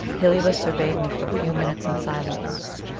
Heliobas surveyed me for a few moments in silence.